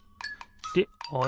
であれ？